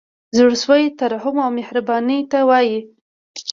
زړه سوی ترحم او مهربانۍ ته وايي.